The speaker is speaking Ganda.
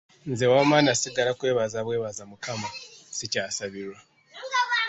Nze wamma nasigala kwebaza bwebaza Mukama, sikyasabirwa.